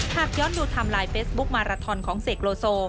หากย้อนดูไทม์ไลน์เฟซบุ๊คมาราทอนของเสกโลโซ